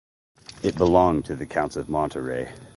It belonged to the Counts of Monterrey.